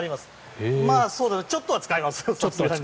ちょっとは使います。